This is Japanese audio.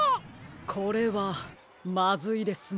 これはまずいですね。